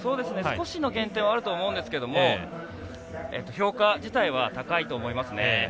少しの減点はあるとは思うんですけども評価自体は高いと思いますね。